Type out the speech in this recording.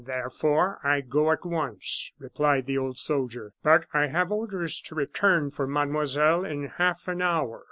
"Therefore, I go at once," replied the old soldier. "But I have orders to return for mademoiselle in half an hour."